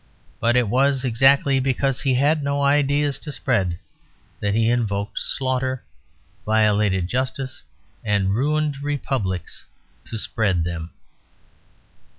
But it was exactly because he had no ideas to spread that he invoked slaughter, violated justice, and ruined republics to spread them.